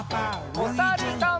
おさるさん。